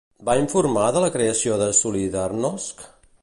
Va informar de la creació de Solidarność?